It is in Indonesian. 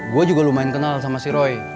gue juga lumayan kenal sama si roy